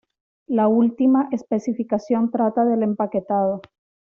La última especificación trata del empaquetado.